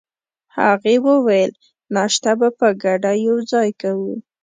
هغې وویل: ناشته به په ګډه یوځای کوو.